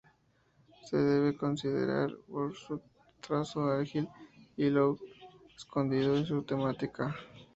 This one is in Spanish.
Se debe considerar por sus trazo ágil y lo escondido de su temática.